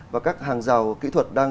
và các hàng rào kỹ thuật đang